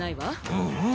うんうん。